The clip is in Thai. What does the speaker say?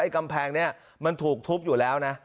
กำแพงนี้มันถูกทุบอยู่แล้วนะ